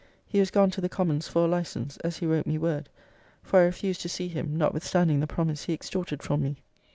He was gone to the Commons for a license, as he wrote me word; for I refused to see him, notwithstanding the promise he extorted from me.